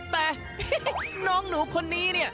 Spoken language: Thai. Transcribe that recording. แต่น้องหนูคนนี้เนี่ย